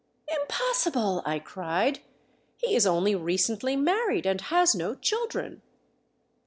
" Impossible !" I cried. '* He is only recently married and has no children."